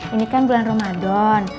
ini kan bulan ramadan